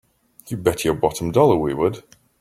You bet your bottom dollar we would!